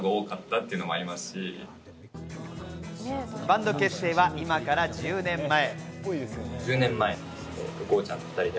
バンド結成は今から１０年前。